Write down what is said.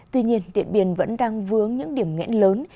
tuy nhiên điện biên vẫn đang vướng những điểm nghẽn lớn